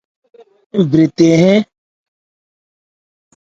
Ń brɛn mɛ́n the hɛn.